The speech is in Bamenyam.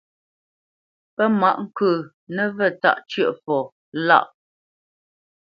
Pə́ mǎʼ ŋkə̌ nəvə̂ tâʼ cə̂ʼfɔ lâʼ.